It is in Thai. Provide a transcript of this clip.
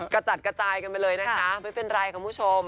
กระจัดกระจายกันไปเลยนะคะไม่เป็นไรคุณผู้ชม